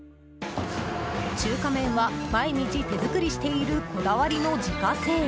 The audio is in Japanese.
中華麺は毎日手作りしているこだわりの自家製。